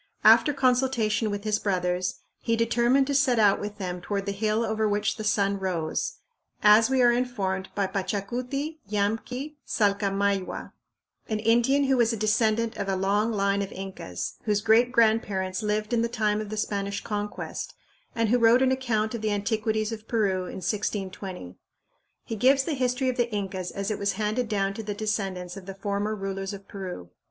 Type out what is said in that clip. After consultation with his brothers, he determined to set out with them "toward the hill over which the sun rose," as we are informed by Pachacuti Yamqui Salcamayhua, an Indian who was a descendant of a long line of Incas, whose great grandparents lived in the time of the Spanish Conquest, and who wrote an account of the antiquities of Peru in 1620. He gives the history of the Incas as it was handed down to the descendants of the former rulers of Peru.